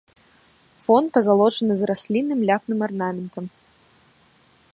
Фон пазалочаны з раслінным ляпным арнаментам.